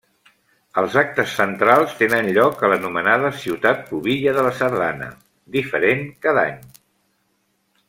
Els actes centrals tenen lloc a l'anomenada Ciutat Pubilla de la Sardana, diferent cada any.